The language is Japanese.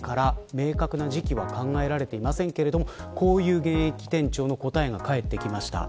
明確な時期は考えられていませんがこういう現役店長の答えが返ってきました。